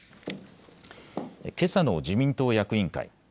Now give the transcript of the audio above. けさの自民党役員会。